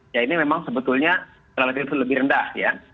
ya ini memang sebetulnya relatif lebih rendah ya